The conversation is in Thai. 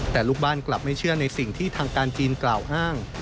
แต่ลูกบ้านกลับไม่เชื่อในสิ่งที่ทางการจีนกล่าวอ้าง